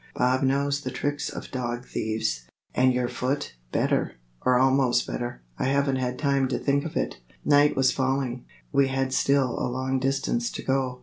Bob knows the tricks of dog thieves." "And your foot?" "Better, or almost better. I haven't had time to think of it." Night was falling. We had still a long distance to go.